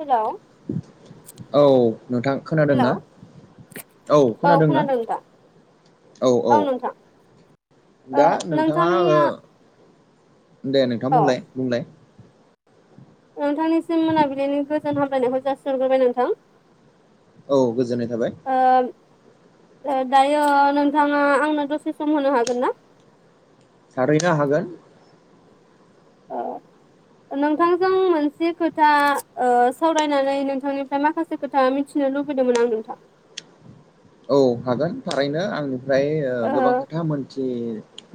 Hello औ नोंथां hello खोनादोंना? औ खोनादोंना खोनादों नोंथां औ औ ओ दा नोंथाङा नोंथांनिया दे नोंथाङा औ बुंलाय बुंलाय नोंथांनिसिम मोनाबिलिनि गोजोन हामलायनायखौ जासिहरग्रोबाय नोंथां। औ गोजोननाय थाबाय। दायो नोंथाङा आंनो दसे सम होनो हागोन ना? थारनो हागोन। अ नोंथांजों मोनसे खोथा सावरायनानै नोंथांनिफ्राय माखासे खोथा मिथिनो लुबैदोंमोन आं नोंथां। औ हागोन थारैनो आंनिफ्राय ओ गोबां खोथा मोनथि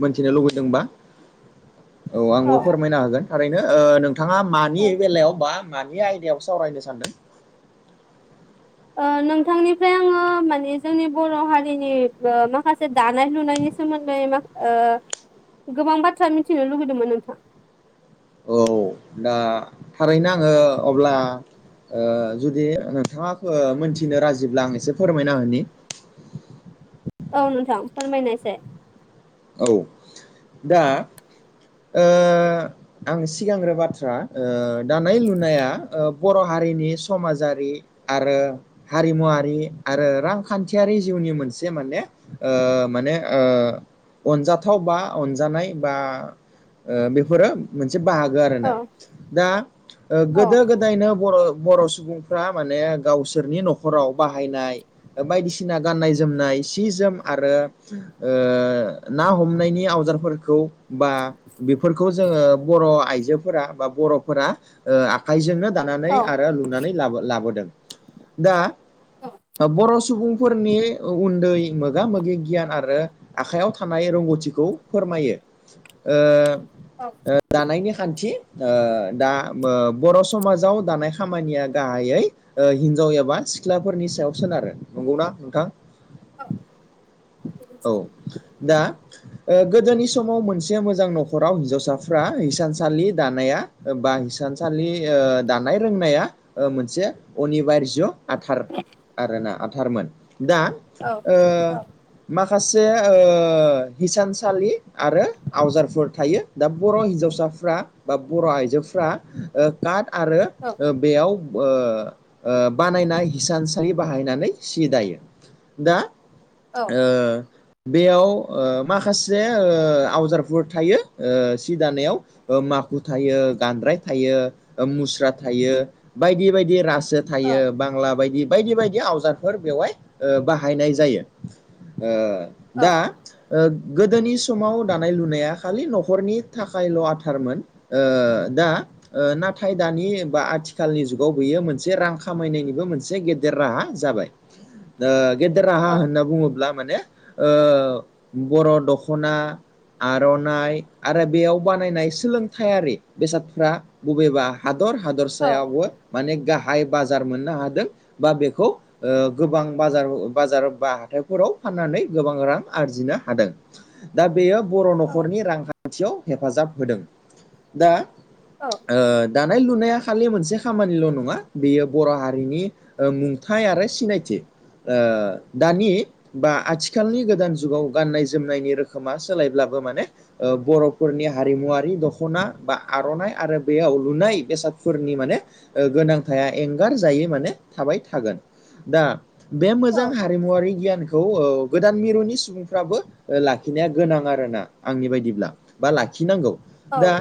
मोनथिनो लुबैदोंबा औ आंबो फोरमायनो हागोन थारैनो ओ नों नोंथाङा मानि औ बेलायाव बा मानि आयदायाव सावरायनो सानदों? नोंथांनिफ्राय आङो माने जोंनि बर' हारिनि माखासे दानाय लुनायनि सोमोन्दै मा गोबां बाथ्रा मिथिनो लुुबैदोंमोन नोंथां। औ दा थारैनो आङो अब्ला जुदि नोंथाङा मोनथिनो राजिब्ला आं एसे फोरमायना होनि औ नोंथां फोरमायनायसाय औ दा ओ आं सिगांग्रो बाथ्रा दानाय लुनाया बर' हारिनि समाजारि आरो हारिमुवारि आरो रांखान्थियारि जिउनि मोनसे माने ओ माने ओ अनजाथाव बा अनजानाय बा बेफोरो मोनसे बाहागो औ आरोना दा गोदो गोदायनो बर बर' सुबुंफ्रा माने गावसोरनि न'खराव बाहायनाय बायदिसिना गाननाय जोमनाय सि जोम आरो ओ ना हमनायनि आवजारफोरखौ बा बेफोरखौ जोङो बर' आइजोफोरा बा बर'फोरा आखाइजोंनो दानानै आरो लुनानै ला लाबोदों दा बर' सुबुंफोरनि उन्दै मोगा मोगि गियान आरो आखाइयाव थानाय रोंगौथिखौ फोरमायो। अ दानायनि खान्थि दा बर' समाजाव दानाय खामानिया गाहायै हिनजाव एबा सिख्लाफोरनि सायाव सोनारो नंगौ ना नोंथां? औ दा गोदोनि समाव मोनसे मोजां न'खराव हिन्जावसाफ्रा हिसानसालि दानाया बा हिसानसालि दानाय रोंनाया मोनसे अनिबार्य आथार आरोना आथारमोन दा माखासे ओ हिसानसालि आरो आवजारफोर थायो दा बर' हिन्जावसाफ्रा बा बर' आइजोफ्रा काट आरो बेयाव बानायनाय हिसान सालि बाहायनानै सि दायो दा बेयाव माखासे आवजारफोर थायो सि दानायाव माखु थायो गानद्राय थायो मुस्रा थायो बायदि बायदि रासोद थायो बांला बायदि बायदि बायदि आवजारफोर बेवहाय बाहायनाय जायो दा ओ गोदोनि समाव दानाय लुनाया खालि न'खरनि थाखायल' आथारमोन ओ दा नाथाय दानि बा आथिखालनि जुगाव बेयो मोनसे रां खामायनायनिबो मोनसे गेदेर राहा जाबाय गेदेर राहा होनना बुङोब्ला माने बर' दख'ना आर'नाइ आरो बेयाव बानायनाय सोलोंथायारि बेसादफ्रा बबेबा हादर हादरसायावबो माने गाहाय बाजार मोननो हादों बा बेखौ गोबां बाजार बाजार बा हाथायफोराव फाननानै गोबां रां आरजिनो हादों दा बेयो बर' न'खरनि रांखान्थि थियाव हेफाजाब होदों दा दा दानाय लुनाया खालि मोनसे खामानिल' नङा बेयो बर' हारिनि मुंथाय आरो सिनायथि दानि बा आथिखालनि गोदान जुगाव गाननाय जोमनायनि रोखोमा सोलायब्लाबो माने बर'फोरनि हारिमुवारि दख'ना बा आर'नाइ आरो बेयाव लुनाय बेसादफोरनि माने गोनांथाया एंगारजायै माने थाबाय थागोन दा बे मोजां हारिमुवारारि गियानखौ गोदान मिरुनि सुबुं फाबो लाखिनाया गोनां आरो ना आंनि बायदिब्ला बा लाखिनांगौ औ दा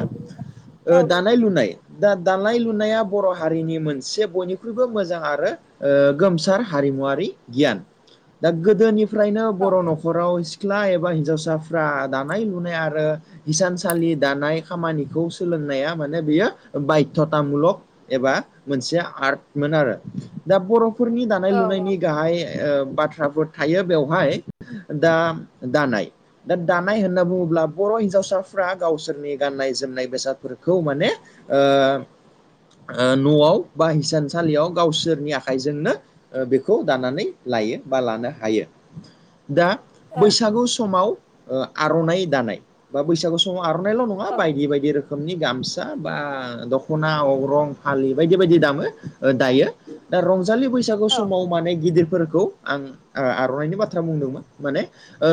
दानाय लुनाय दा दानाय लुनाया बर' हारिनि मोनसे बयनिख्रुइबो मोजां आरो गोमसार हारिमुवारि गियान दा गोदोनिफ्रायनो बर' न'खर न'खराव सिख्ला एबा हिन्जावसाफ्रा दानाय लुनाय आरो हिसानसालि दानाय खामानिखौ सोलोंनाया माने बेयो बायधथामुलक एबा मोनसे आर्टमोन आरो दा बर' नखरनि दानाय लुनायनि गाहाय बाथ्राफोर थायो बेवहाय दा दानाय दा दानाय होनना बुङोब्ला बर' हिन्जावसाफ्रा गावसोरनि गाननाय जोमनाय बेसादफोरखौ माने न'आव बा हिसानसालियाव गावसोरनि आखाइजोंनो बेखौ दानानै लायो बा लानो हायो दा बैसागु समाव आर'नाय दानाय बा बैसागु सम समाव आर'नायल' नङा बायदि बायदि रोखोमनि गामसा फसा बा दख'ना अग्रं फालि बायदि बायदि दामो दायो दा रंजालि बैस बैसागु औ समाव माने गिदिरफोरखौ आं आर'नाइनि बाथ्रा बुंदोंमोन माने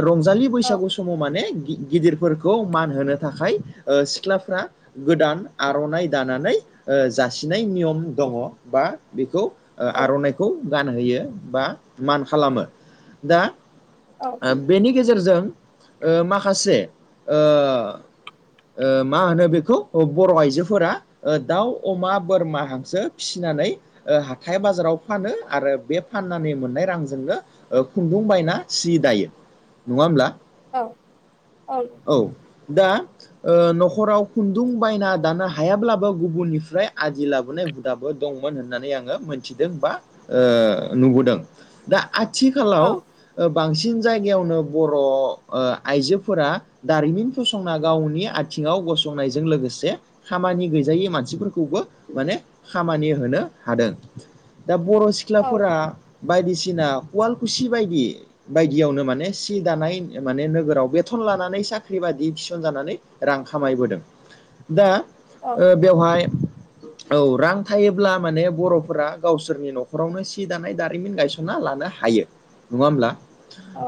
रंजालि नंगौ बैसागु समाव माने गिदिरफोरखौ मान होनो थाखाय सिख्लाफ्रा गोदान आर'नाइ दानानै जासिनाय नियम दङ बा बेखौ आर'नाइखौ गानहोयो बा मान खालामो दा नोंथां बेनि गेजेरजों माखासे मा होनो बेखौ बर' आइजोफोरा दाउ अमा बोरमा हांसो फिसिनानै हाथथाय बाजाराव फानो आरो बे फाननानै मोननाय रांजोंनो खुन्दुं बायना सि दायो नङा होमब्ला औ दा न'खराव खुन्दुं बायना दानो हायाब्लाबो गुबुननिफ्राय आदि लाबोनाय दाबो दंमोन होननानै आङो मोनथिदों बा नुबोदों। दा आथिखालाव ओ बांसिन जायगायावनो बर' आइजोफोरा दारिमिन फसंना गावनि आथिङाव गसंनायजों लोगोसे खामानि गैजायै मानसिफोरखौबो माने खामानि होनो हादों। दा बर' सिख्लाफोरा बायदिसिना उवालकुसि बायदि बायदियावनो माने सि दानाय माने नोगोराव बेथन लानानै साख्रि बायि थिसनजानानै रां खामायबोदों दा बेवहाय औ रां थायोब्ला माने बर'फोरा गावसोरनि न'खरावनो सि दानाय दारिमिन गायसन थिना लानो हायो नङा होमब्ला। औ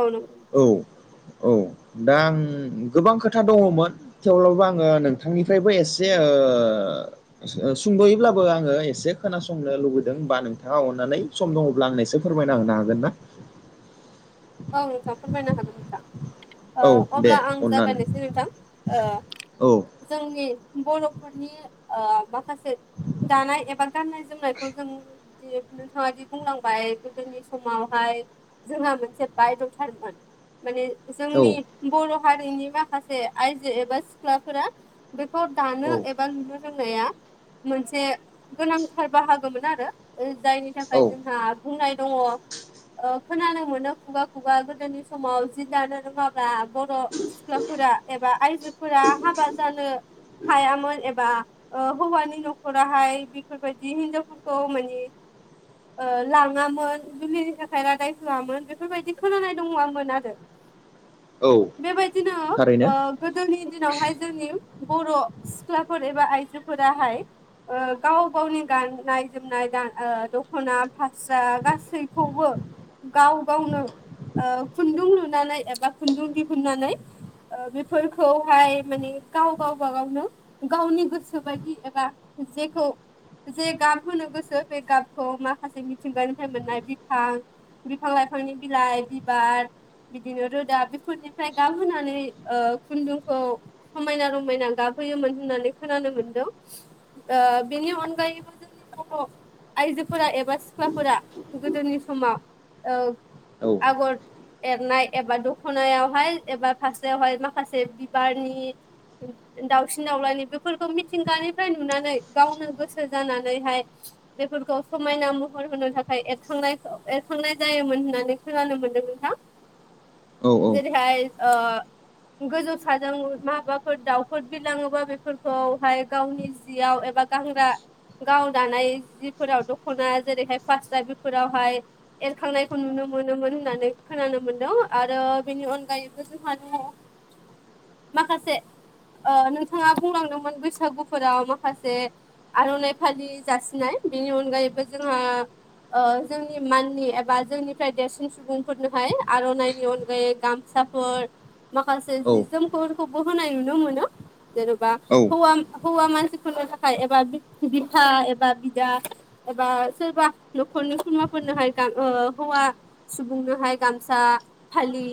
आनो औ औ दा आं गोबां खोथा दङमोन। थेवब्लाबो आङो नोंथांनिफ्रायबो एसे। सुंद'ययोब्लाबो आङो एसे खोनासंनो लुबैदों हबा नोंथाङा अननानै। सम दङब्ला आंनोसो फोरमायना होनो हागोन ना औ नोंथां फोरमायनो हागोन नोंथां। औ ओ दे अब्ला आं अननानै जागायनोसै नोंथां ओ। औ जोंनि बर'फोरनि माखासे दानाय एबा गाननाय जोमनायखौ जों नोंथाङा दि बुंलांबाय गोदोनि समावहाय जोंहा मोनसे। बायद'थारमोन माने औ जोंनि बर' हारिनि माखासे आइजो एबा सिख्लाफोरा बेखौ दानो एबा बा लुनो रोंनाया मोनसे गोनांथार बाहागोमोन आरो। जायनि थाखाय औ जोंहा बुंनाय दङ ओ खोनानो मोनो खुगा खुगा गोदोनि समाव जि दानो रोङाब्ला बर' सिख्लाफोरा एबा आइजोफोरा हाबा जानो हायामोन एबा। ओ हौवानि न'खराहाय बेफोरबायदि हिनजावफोरखौ मानि ओ लाङामोन जुलिनि थाखाय रादाय होआमोन बेफोर बायदि खोनानाय दंङमोन आरो। औ बेबायदिनो थारैनो ओ गोदोनि दिनावहाय जोंनि बर' सिख्लाफोर एबा आयजोफोराहाय। ओ गाव गावनि गाननाय जोमनाय दा ओ दखना फास्रा गासैखौबो। गाव गावनो ओ खुन्दुं लुनानै एबा खुन्दुं दिहुननानै ओ बेफोरखौहाय मानि गाव गावबागावनो गावनि गोसोबायदि एबा जेखौ जे गाब होनो गोसो बे गाबखौ माखासे मिथिंगानिफ्राय मोननाय बिफां बिफां लाइफांनि बिलाइ बिबार बिदिनो रोदा बेफोरनिफ्राय गाबहोनानै ओ खुन्दुंखौ समायना रमायना गाबहोयोमोन होननानै खोनानो मोनदों ओ बेनि अनगायैबो जोंनि बर' आइजोफोरा एबा सिख्लाफोरा गोदोनि समाव ओ औ आगर एरनाय एबा दखनायावहाय एबा फासरायावहाय माखासे बिबारनि दावउसिन दावलाानि बेफोरखौ मिथिंगानिफ्राय नुनानै गावनो गोसो जानानैहाय। बेफोरखौ समायना महर होनो थाखाय एरखांनाय एरखांनाय जायोमोन होननानै‌। खोनानो मोनदों नोंथां औ औ जेरैहाय ओ गोजौ साजों माबाफोर दाउफोर बिरलाङोबा बेफोरखौहाय गावनि जियाव एबा। गानग्रा गाव दानाय जिफोराव दख'ना जेरैहाय फास्रा बेफोरावहाय एरखांनायखौ नुनो मोनोमोन होननानै खोनानो मोन्दों आरो बेनि अनगायैबो जोंहा दङ माखासे ओ नोंथाङा बुंलांदोंमोन बैसागुफोराव माखासे आरननाइ फालि जासिनाय बेनि अनगायैबो जोंहा ओ जोंनि माननि एबा जोंनि फ्राय देरसिन सुबुंफोरनोहाय आरननाइनि अनगायै गामसाफोर माखासे औ जि जोमफोरखौबो होनाय नुनो मोनो जेनबा औ हौवा हौवा मानसिफोरनो थाखाय एबा बि बिफा एबा बिदा एबा सोरबा न'खरनि खुरमाफोरनोहाय गाम ओ हौवा सुबुंनोहाय गामसा फालि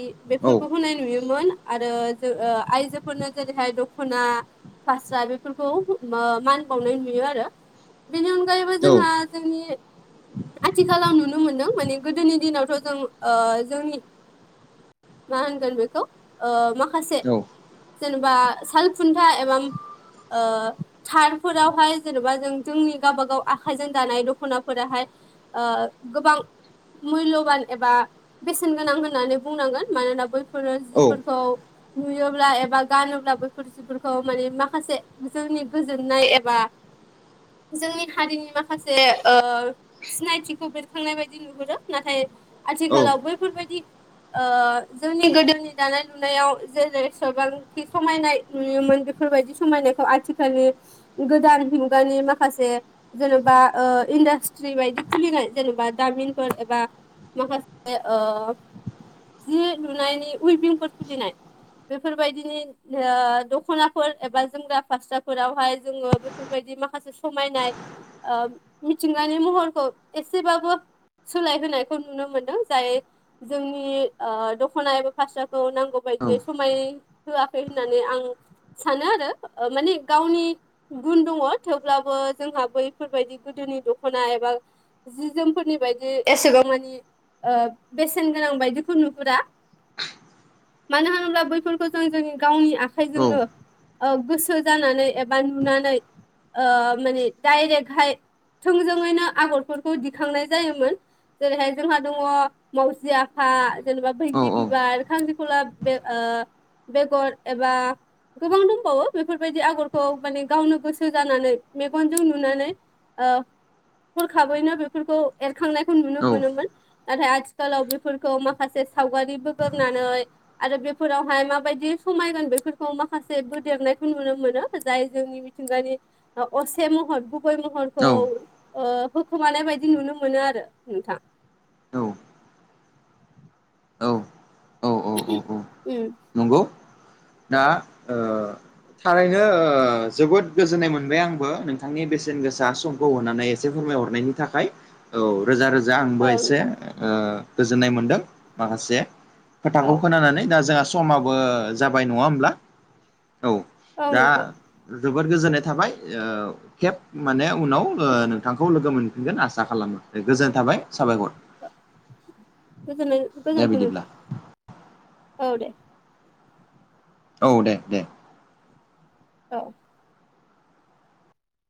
औ बेफोरखौ होनाय नुयोमोन आरो जो आइजोफोरनो जेरैहाय दखना फासरा बेफोरखौ ओ मान बावनाय नुयो आरो बेनि अनगायैबो जोंहा जोंनि आथिखालाव नुनो मोनदों माने गोदोनि दिनावथ जों ओ जोंनि मा होनगोन बेखौ ओ माखासे जेनेबा साल खुन्था एबा ओ थारफोरावहाय जेनेबा जों जोंनि गावबागाव आखाइजों दानाय दखनाफोराहाय ओ गोबां मुल्यबान एबा बेसेन गोनां होननानै बुंनांगोन मानोना बैफोरो जिफोरखौ नुयोब्ला एबा गानोब्ला बैफोर बिफोरखौ माने माखासे जोंनि गोजोननाय एबा जोंनि हारिनि माखासे सिनायथिखौ बेरखांनाय बायदि नुहुरो नाथाय आथिखालाव बैफोरबायदि जोंनि गोदोनि दानाय लुनायाव जेरै सोरबांथि समायनाय नुयोमोन बेफोरबायदि समायनाखौ आथिखालनि गोदान मुगानि माखासे जेनबा इन्डास्ट्रि बायदि खुलिनाय जेनेबा दारिमिनफोर बा माखासे जि लुनायनि उइबिंफोर खुलिनाय बेफोर बायदिनि ओ दखनाफोर एबा जोमग्रा फास्राफोरावहाय जोङो बेफोरबायदि माखासे समायनाय मिथिंगानि महरखौ एसेबाबो सोलाय होनायखौ नुनो मोनदों जाय जोंनि दखना एबा फाास्राखौ नांगौ बायदियै समाय होआखै होननानै आं सानो आरो माने गावनि गुन दङ थेवब्लाबो जोंहा बैफोरबायदि गोदोनि दखना एबा जि जोमफोरनि बायदि बिदि एसेबां मानि बेसेन गोनां बायदिखौ नुहुरा मानो होनोब्ला बैफोरखौ जों जोंनि गावनि आखाइजोंनो गोसो जानानै एबा नुनानै ओ माने डायरेकहाय थोंजोङैनो आगरफोरखौ दिखांनाय जायोमोन जेरैहाय जोंहा दङ मावजि आफा जेनेबा बैग्रि बिबार खांख्रि खला बे ओ बेगर एबा गोबां दंबावो बेफोरबायदि आगरखौ माने गावनो गोसो जानानै मेगनजों नुनानै ओ हरखाबैनो बेफोरखौ एरखांनायखौ नुनो मोनोमोन नाथाय आथिखालाव बेफोरखौ माखासे सावगारि बोगोरनानै आरो बेफोरावहाय माबायदि समायगोन बेफोरखौ माखासे बोदेरनायखौ नुनो मोनो जाय जोंनि मिथिंगानि असे महर गुबै महरखौ होखोमानाय बायदि नुनो मोनो आरो नोंथां औ औ उम नंगौ दा ओ थारैनो जोबोद गोजोननाय मोनबाय आंबो नोंथांनि बेसेन गोसा सम होननानै एसे फोरमायहरनायनि थाखाय औ। रोजा रोजा आंबो औ एसे नोंथां गोजोननाय मोनदों माखासे। औ खोथाखौ खोनानानै दा जोंहा समाबो जाबाय नङा होमब्ला औ। औ दा नोंथां जोबोद गोजोननाय थाबाय ओ खेब माने उनाव नोंथांखौ लोगो मोनफिनगोन आसा खालामो दे गोजोनथाबाय साबायखर। गोज- गोजोनाय दे थाबाय बिदिब्ला नोंथां औ दे। औ दे दे। औ।